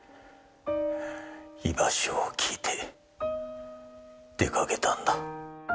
居場所を聞いて出掛けたんだ。